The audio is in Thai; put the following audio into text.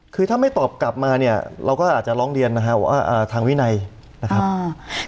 คือถ้าไม่ตอบกลับมาเนี่ยเราก็อาจจะร้องเรียนนะครับว่าทางวินัยนะครับอ่า